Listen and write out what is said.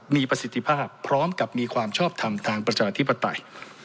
มีประสิทธิภาพพร้อมกับมีความชอบทำทางประชาธิปไตย